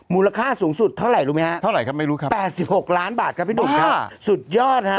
มูลค่าสูงสุดเท่าไหร่รู้ไหมครับ๘๖ล้านบาทครับพี่ดุ๊กครับสุดยอดครับ